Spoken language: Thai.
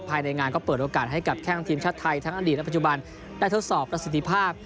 ภายในงานก็เปิดโอกาสให้กับแข้งทีมชาติไทยทั้งอดีตและปัจจุบันได้ทดสอบประสิทธิภาพ